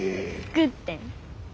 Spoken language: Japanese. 作ってん。